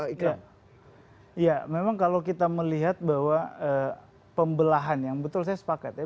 iya memang kalau kita melihat bahwa pembelahan yang betul saya sepakat ya